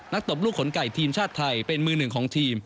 ตบลูกขนไก่ทีมชาติไทยเป็นมือหนึ่งของทีม